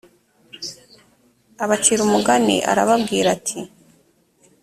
abacira umugani arababwira ati